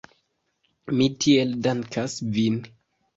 Mi tiel dankas vin.